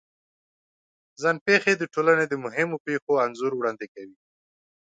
ځان پېښې د ټولنې د مهمو پېښو انځور وړاندې کوي.